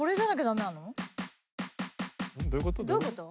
どういうこと？